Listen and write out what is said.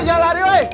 jangan lari woy